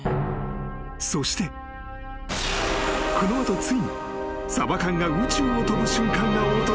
［そしてこの後ついにサバ缶が宇宙を飛ぶ瞬間が訪れる］